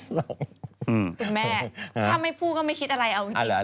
ถ้าแม่ไม่พูดก็ไม่คิดอะไรเอางี้